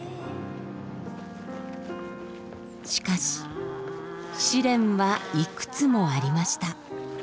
しかし試練はいくつもありました。